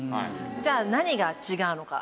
じゃあ何が違うのか？